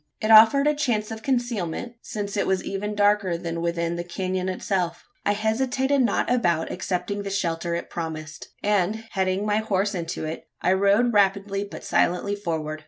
It offered a chance of concealment: since it was even darker than within the canon itself. I hesitated not about accepting the shelter it promised; and, heading my horse into it, I rode rapidly but silently forward.